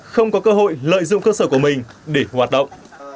không có cơ hội lợi dụng cơ sở của mình để hoạt động